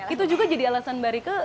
itu juga jadi alasan mbak rika